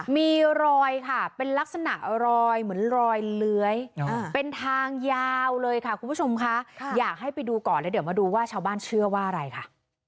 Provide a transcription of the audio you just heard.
มีรอยค่ะเป็นลักษณะรอยเหมือนรอยเลื้อยเป็นทางยาวเลยค่ะคุณผู้ชมค่ะอยากให้ไปดูก่อนแล้วเดี๋ยวมาดูว่าชาวบ้านเชื่อว่าอะไรค่ะ